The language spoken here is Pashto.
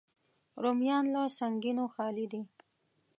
رومیان له سنګینیو خالي دي